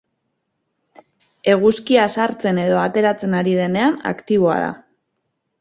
Eguzkia sartzen edo ateratzen ari denean aktiboa da.